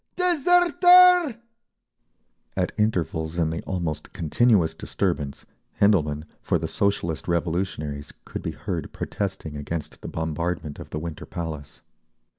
"Deserter!" At intervals in the almost continuous disturbance Hendelman, for the Socialist Revolutionaries, could be heard protesting against the bombardment of the Winter Palace….